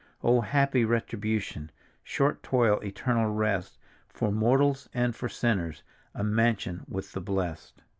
Oh happy retribution, Short toil, eternal rest! For mortals and for sinners, A mansion with the blest.